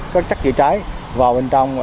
các chất chữa trái vào bên trong